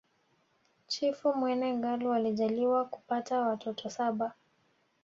Chifu Mwene Ngalu alijaliwakupata watoto saba